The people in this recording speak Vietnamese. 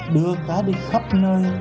đưa cá đi khắp nơi